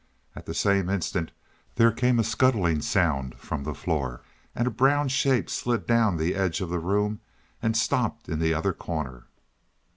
At the same instant there came a scuttling sound from the floor, and a brown shape slid down the edge of the room and stopped in the other corner.